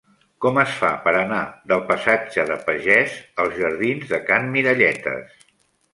Com es fa per anar del passatge de Pagès als jardins de Can Miralletes?